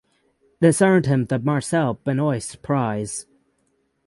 This earned him the Marcel Benoist Prize.